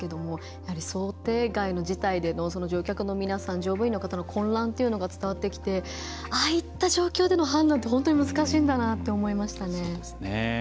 やはり、想定外の事態での乗客の皆さん乗務員の方の混乱っていうのが伝わってきてああいった状況での判断って本当に難しいんだなと思いましたね。